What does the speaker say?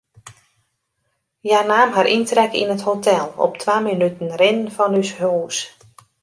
Hja naam har yntrek yn it hotel, op twa minuten rinnen fan ús hûs.